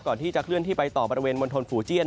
ก่อนที่จะเคลื่อนที่ไปต่อบริเวณมณฑลฝูเจียน